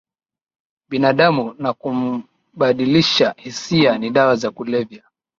binadamu na kumbadilisha hisia ni dawa za kulevya